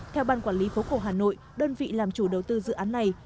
theo ban quản lý phố cổ hà nội đơn vị làm chủ đầu tư dự án này